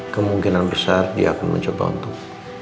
kemungkinan besar dia akan mencoba untuk